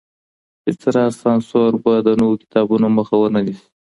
هيڅ راز سانسور به د نويو کتابونو مخه ونه نيسي.